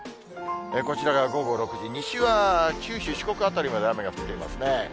こちらが午後６時、西は九州、四国辺りまで雨が降っていますね。